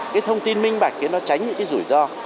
cái thông tin minh bạch thì nó tránh những cái rủi ro